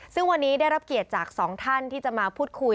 ซึ่งวันนี้ได้รับเกียรติจากสองท่านที่จะมาพูดคุย